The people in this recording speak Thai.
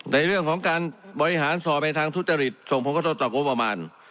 ในเรื่องของการบริหารสอบในทางทุษฎฤษส่งโพธิศาสตร์ต่างกลุ่มประมาณ